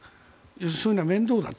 そういうのは面倒だと。